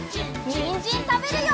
にんじんたべるよ！